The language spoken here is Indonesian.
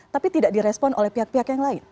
tapi tidak direspon oleh pihak pihak yang lain